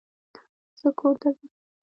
زه کور ته ځم.